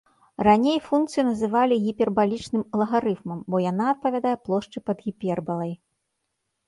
Раней функцыю называлі гіпербалічным лагарыфмам, бо яна адпавядае плошчы пад гіпербалай.